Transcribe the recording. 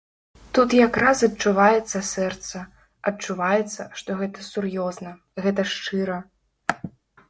Тут як раз адчуваецца сэрца, адчуваецца, што гэта сур'ёзна, гэта шчыра.